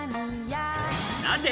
なぜ？